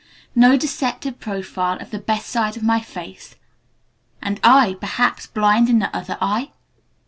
No deceptive profile of the best side of my face and I, perhaps, blind in the other eye?